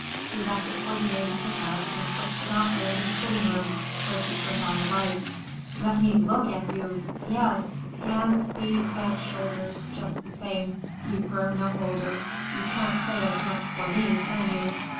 She left it for the maid to pick up and pushed the doctor into the sitting room, where she turned on the lights. "Let me look at you. Yes; hands, feet, head, shoulders—just the same. You've grown no older. You can't say as much for me, can you?"